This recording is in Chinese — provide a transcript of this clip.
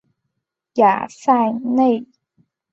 雅塞内。